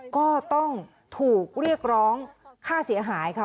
ก็ต้องถูกเรียกร้องค่าเสียหายค่ะ